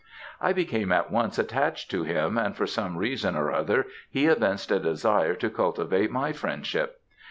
I became at once attached to him, and for some reason or other he evinced a desire to cultivate my friendship.